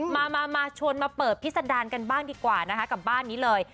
มามาชวนมาเปิดพิษดารกันบ้างดีกว่านะคะกับบ้านนี้เลย